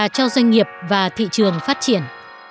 cho doanh nghiệp và thị trường phát triển